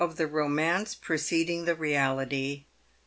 THE ROMANCE PRECEDING THE REALITY.